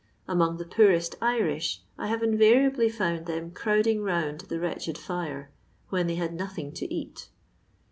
Among the poorest Irish, I hare inTaiiably found them crowding round the wretched fire when they had nothing to cat.